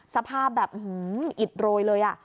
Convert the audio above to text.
สภาพแบบอิดโรยเลย